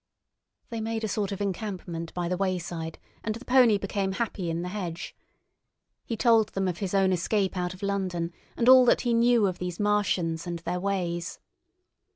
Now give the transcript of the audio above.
They made a sort of encampment by the wayside, and the pony became happy in the hedge. He told them of his own escape out of London, and all that he knew of these Martians and their ways.